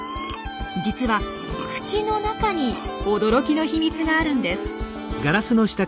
実は口の中に驚きの秘密があるんです。